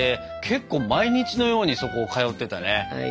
けっこう毎日のようにそこ通ってたね。